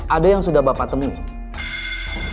ada yang sudah bapak temui